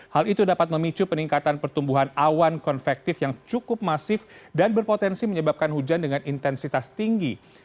hal itu dapat memicu peningkatan pertumbuhan awan konvektif yang cukup masif dan berpotensi menyebabkan hujan dengan intensitas tinggi